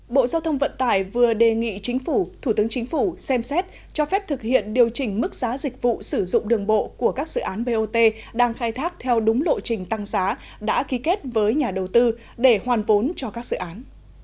bộ giao thông vận tải vừa đề nghị chính phủ thủ tướng chính phủ xem xét cho phép thực hiện điều chỉnh mức giá dịch vụ sử dụng đường bộ của các dự án bot đang khai thác theo đúng lộ trình tăng giá đã ký kết với nhà đầu tư để hoàn vốn cho các dự án